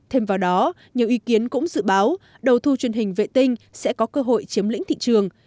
thêm vào đó nhiều ý kiến cũng dự báo đầu thu truyền hình vệ tinh sẽ có cơ hội chiếm lĩnh thị trường